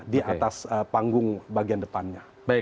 di atas panggung bagian depannya